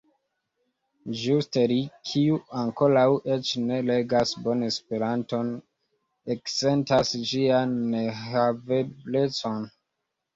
Ĝuste li, kiu ankoraŭ eĉ ne regas bone Esperanton, eksentas ĝian nehaveblecon.